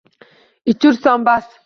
Ichursan, bas